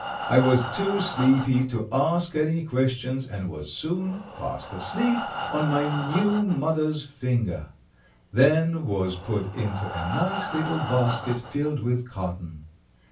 I was too sleepy to ask any questions and was soon fast asleep on my new mother's finger; then was put into a nice little basket filled with cotton.